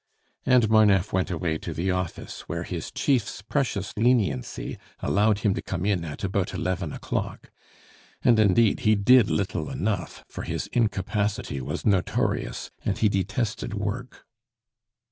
And Marneffe went away to the office, where his chief's precious leniency allowed him to come in at about eleven o'clock. And, indeed, he did little enough, for his incapacity was notorious, and he detested work.